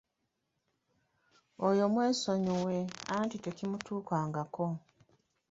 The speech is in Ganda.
Oyo mwesonyiwe anti tekimutuukangako.